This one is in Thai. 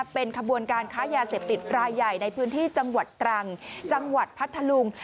เป็นขบวนการค้ายาเสพติดรายใหญ่ในพื้นที่จังหวัดตรังจังหวัดพัทธลุง